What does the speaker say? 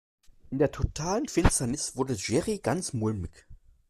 In der totalen Finsternis wurde Jerry ganz mulmig.